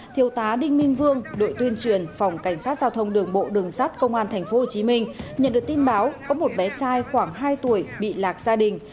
thiếu tá đinh minh vương đội tuyên truyền phòng cảnh sát giao thông đường bộ đường sát công an thành phố hồ chí minh nhận được tin báo có một bé trai khoảng hai tuổi bị lạc gia đình